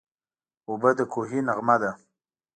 اوبه د کوهي نغمه ده.